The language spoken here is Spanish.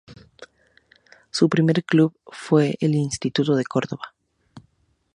Su primer club fue el Instituto de Cordoba.